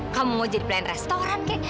kamu mau jadi brand restoran kek